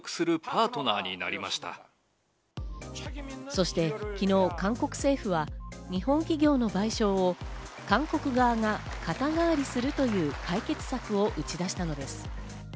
そして昨日、韓国政府は日本企業の賠償を韓国側が肩代わりするという解決策を打ち出したのです。